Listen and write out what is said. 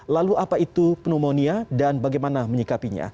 lalu apa itu pneumonia dan bagaimana menyikapinya